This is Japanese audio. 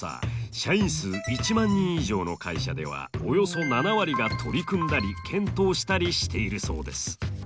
社員数１万人以上の会社ではおよそ７割が取り組んだり検討したりしているそうです。